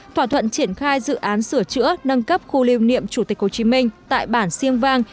thỏa thuận triển khai dự án sửa chữa nâng cấp khu lưu niệm chủ tịch hồ chí minh tại bản siêng vang